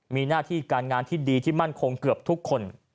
มีหน้าที่การงานที่ดีที่มั่นคงเกือบทุกคน